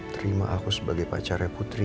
terima aku sebagai pacarnya putri